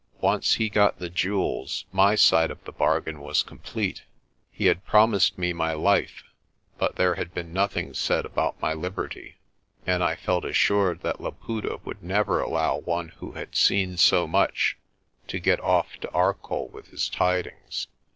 Once he got the jewels my side of the bargain was complete. He had promised me my life, but there had been nothing said about my liberty; and I felt assured that Laputa would never allow one who had seen so much to get off to Arcoll with his tidings.